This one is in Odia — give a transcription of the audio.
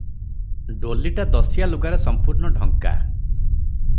ଡୋଲିଟା ଦଶିଆ ଲୁଗାରେ ସମ୍ପୂର୍ଣ୍ଣ ଢଙ୍କା ।